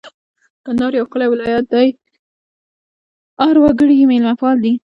کندهار یو ښکلی ولایت دی اړ وګړي یې مېلمه پاله دي